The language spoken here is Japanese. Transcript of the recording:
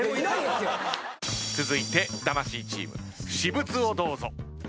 続いて魂チーム私物をどうぞ。